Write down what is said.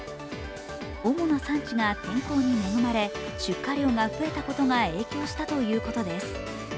主な産地が天候に恵まれ出荷量が増えたことが影響したということです。